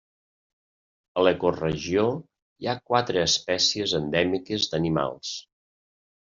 A l’ecoregió hi ha quatre espècies endèmiques d’animals.